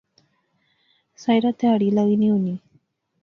ساحرہ تہاڑی لاغی نی ہونی